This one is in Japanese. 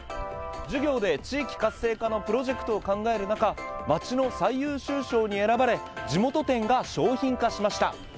授業で地域活性化のプロジェクトを考える中町の最優秀賞に選ばれ地元店が商品化しました。